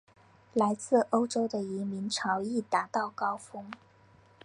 来自欧洲的移民潮亦达到高峰。